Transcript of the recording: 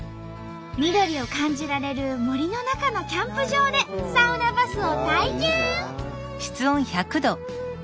緑を感じられる森の中のキャンプ場でサウナバスを体験！